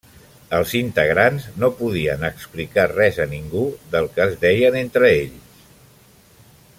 Els integrants no podien explicar res a ningú del que es deien entre ells.